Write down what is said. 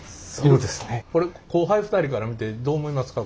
これ後輩２人から見てどう思いますか？